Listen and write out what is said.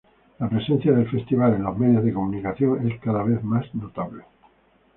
La presencia del festival en los medios de comunicación es cada vez más notable.